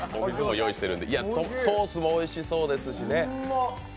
ソースもおいしそうですしね。